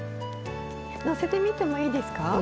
載せてみてもいいですか？